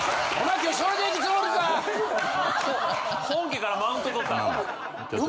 本家からマウントとった。